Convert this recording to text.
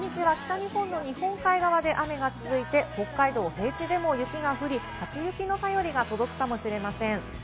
土日は北日本の日本海側で雨が続いて、北海道、低地でも雪が降り、初雪の便りが届くかもしれません。